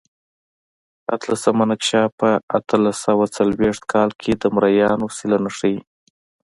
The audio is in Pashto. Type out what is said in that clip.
اتلسمه نقشه په اتلس سوه څلوېښت کال کې د مریانو سلنه ښيي.